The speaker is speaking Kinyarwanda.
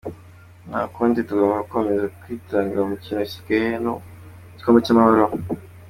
Nta kundi tugomba gukomeza twitanga mu mikino isigaye no mu gikombe cy’Amahoro.